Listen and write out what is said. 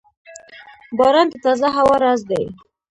• باران د تازه هوا راز دی.